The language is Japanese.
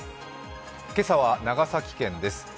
今朝は長崎県です。